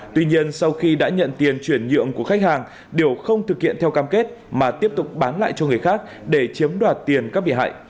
tuy nhiên sau khi đã nhận tiền chuyển nhượng của khách hàng điều không thực hiện theo cam kết mà tiếp tục bán lại cho người khác để chiếm đoạt tiền các bị hại